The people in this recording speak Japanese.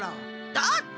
だって。